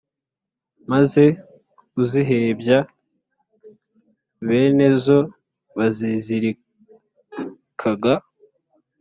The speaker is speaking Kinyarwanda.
maze kuzihebya bene zo bazizirikaga,